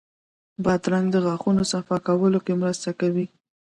بادرنګ د غاښونو صفا کولو کې مرسته کوي.